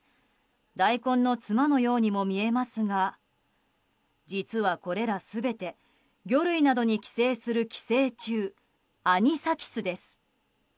大根のつまのようにも見えますが実は、これら全て魚類などに寄生する寄生虫アニサキスです。